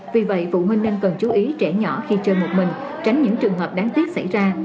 vì vậy phụ huynh nên cần chú ý trẻ nhỏ khi chơi một mình tránh những trường hợp đáng tiếc xảy ra